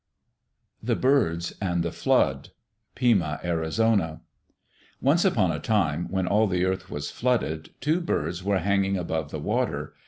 The Birds and the Flood Pima (Arizona) Once upon a time, when all the earth was flooded, two birds were hanging above the water.